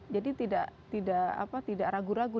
jadi tidak ragu ragu